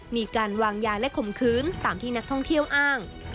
มีการวางยาและข่มขืนตามที่นักท่องเที่ยวอ้าง